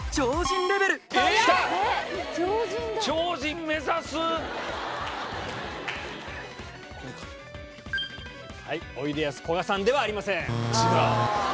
ピンポンおいでやすこがさんではありません。